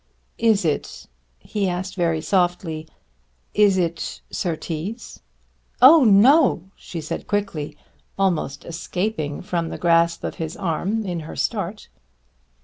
"Is it," he asked very softly, "is it Mr. Surtees?" "Oh no!" she said quickly, almost escaping from the grasp of his arm in her start.